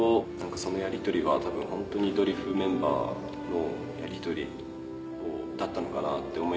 そのやりとりはホントにドリフメンバーのやりとりだったのかなって思いながら。